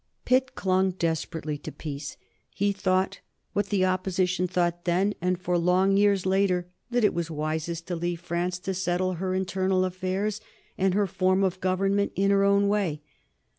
Pitt clung desperately to peace. He thought, what the Opposition thought then and for long years later, that it was wisest to leave France to settle her internal affairs and her form of government in her own way.